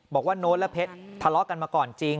บอกว่าโน๊ตและเผ็ดทะเลาะกันมาก่อนจริง